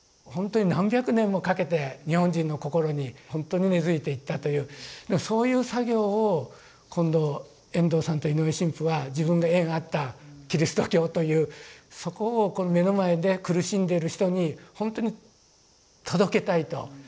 本当に何百年もかけて日本人の心に本当に根づいていったというそういう作業を今度遠藤さんと井上神父は自分が縁あったキリスト教というそこをこの目の前で苦しんでいる人に本当に届けたいと。